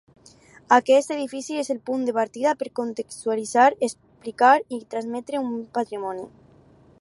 Aquest edifici és el punt de partida per contextualitzar, explicar i transmetre un patrimoni.